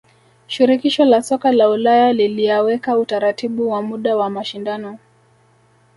shirikisho la soka la ulaya liliaweka utaratibu wa muda wa mashindano